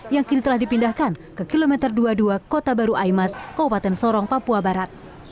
yang kini telah dipindahkan ke kilometer dua puluh dua kota baru aimas kabupaten sorong papua barat